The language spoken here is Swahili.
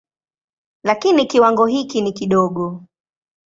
Lakini kiwango hiki ni kidogo.